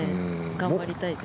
頑張りたいです。